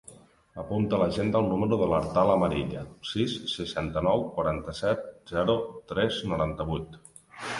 Apunta a l'agenda el número de l'Artal Amarilla: sis, seixanta-nou, quaranta-set, zero, tres, noranta-vuit.